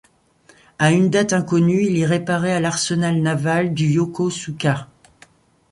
À une date inconnue, il est réparé à l'Arsenal naval de Yokosuka.